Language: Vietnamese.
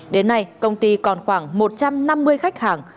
đến nay công ty còn khoảng một trăm năm mươi khách hàng